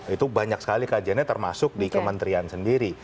itu banyak sekali kajiannya termasuk di kementerian sendiri